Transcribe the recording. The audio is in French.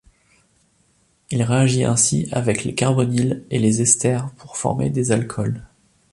Il réagit ainsi avec les carbonyles et les esters pour former des alcools.